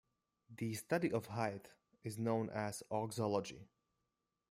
The study of height is known as auxology.